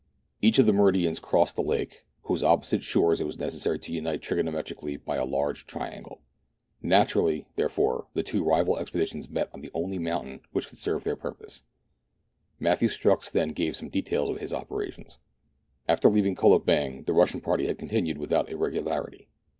Each of the meridians crossed the lake, whose opposite shores it was necessary to unite trigono metrically by a large triangle. Naturally, therefore, the two rival expeditions met on the only mountain which could serve their purpose. Matthew Strux then gave some details of his operations. After leaving Kolobeng, the Russian party had continued without irregularity.